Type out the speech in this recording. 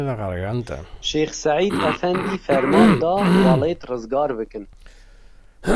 Şex Seîd efendî ferman da, welêt rizgar bikin.